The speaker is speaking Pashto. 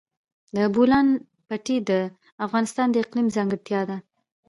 د بولان پټي د افغانستان د اقلیم ځانګړتیا ده.